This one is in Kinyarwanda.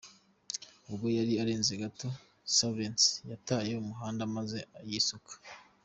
Ubwo yari arenze gato Surdents, yataye umuhanda maze yisuka.